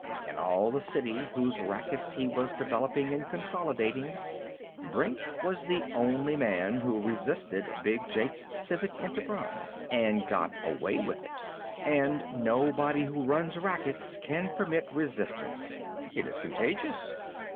In all the city whose rackets he was developing and consolidating, Brink was the only man who resisted Big Jake's civic enterprise and got away with it! And nobody who runs rackets can permit resistance. It is contagious.